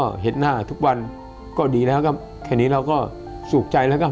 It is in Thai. ผมอยากจะหารถสันเร็งสักครั้งนึงคือเอาเอาเอาหมอนหรือที่นอนอ่ะมาลองเขาไม่เจ็บปวดครับ